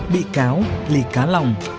bị cáo lý cá lòng